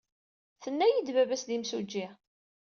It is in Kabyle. Tenna-iyi-d baba-s d imsujji.